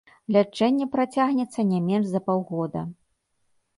Лячэнне працягнецца не менш за паўгода.